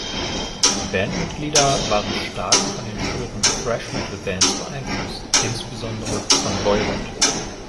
Die Bandmitglieder waren stark von den frühen Thrash-Metal-Bands beeinflusst, insbesondere von Voivod.